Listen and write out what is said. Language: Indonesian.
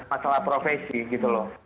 masalah profesi gitu loh